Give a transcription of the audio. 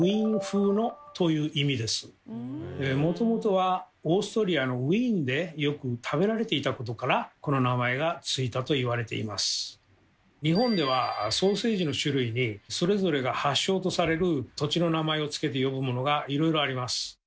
もともとは日本ではソーセージの種類にそれぞれが発祥とされる土地の名前をつけて呼ぶものがいろいろあります。